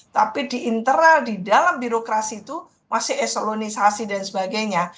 tapi di internal di dalam birokrasi itu masih eselonisasi dan sebagainya